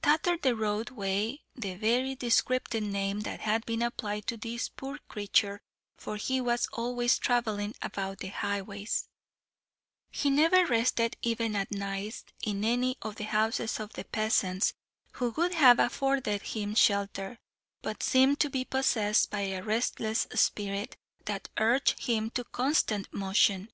"Tatther the Road" wae the very descriptive name that had been applied to this poor creature, for he was always travelling about the highways; he never rested even at nights in any of the houses of the peasants, who would have afforded him shelter, but seemed to be possessed by a restless spirit, that urged him to constant motion.